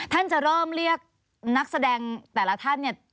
ท่านจะเริ่มเรียกนักแสดงแต่ละท่านเนี่ย